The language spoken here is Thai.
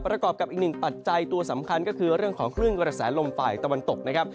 ประกอบกับอีกหนึ่งปัจจัยตัวสำคัญก็คือเรื่องของคลื่นกระแสลมฝ่ายตะวันตกนะครับ